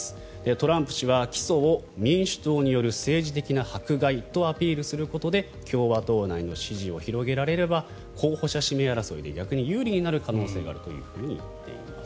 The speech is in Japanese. トランプ氏は起訴を民主党による政治的な迫害とアピールすることで共和党内の支持を広げられれば候補者指名争いで逆に有利になる可能性があると言っています。